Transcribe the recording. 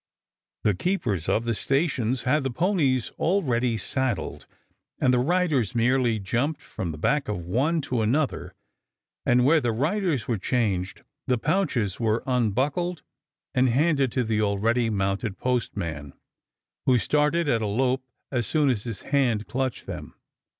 The keepers of the stations had the ponies already saddled, and the riders merely jumped from the back of one to another; and where the riders were changed the pouches were unbuckled and handed to the already mounted postman, who started at a lope as soon as his hand clutched them.